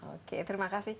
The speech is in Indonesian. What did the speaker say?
oke terima kasih